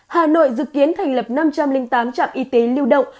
hà nội dự kiến thành lập năm trăm linh tám trạm y tế lưu động